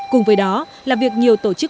cùng với đó là việc nhiều tổ chức